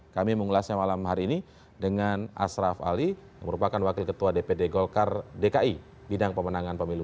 kami mengulasnya malam hari ini dengan ashraf ali yang merupakan wakil ketua dpd golkar dki bidang pemenangan pemilu